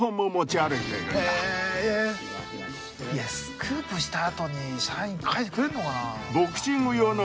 いやスクープしたあとにサイン書いてくれるのかな？